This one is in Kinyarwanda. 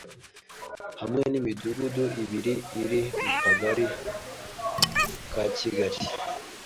hamwe n'imidugudu ibiri iri mu kagari ka Kigali